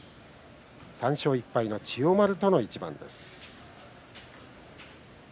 ３勝１敗の千代丸との一番です。